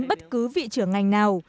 bất cứ vị trưởng ngành nào